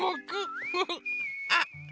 あっ。